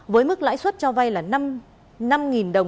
với mức lãi suất cho vay là năm năm đồng